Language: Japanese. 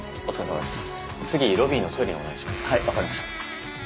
はいわかりました。